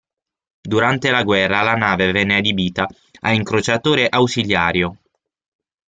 Durante la guerra, la nave venne adibita a incrociatore ausiliario.